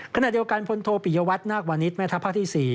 ขณะเดียวกันพลโทปิยวัตนาควานิสแม่ทัพภาคที่๔